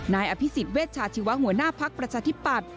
นายอภิษฎเวชชาชีวะหัวหน้าภักดิ์ประชาธิปัตย